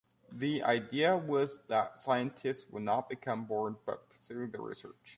The idea was that scientists would not become bored but pursue their research.